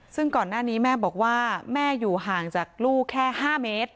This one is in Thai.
ซึ่งก่อนหน้านี้แม่บอกว่าแม่อยู่ห่างจากลูกแค่๕เมตร